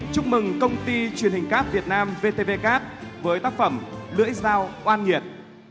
chúc mừng công ty truyền hình cáp việt nam vtvcap với tác phẩm lưỡi dao oan nhiệt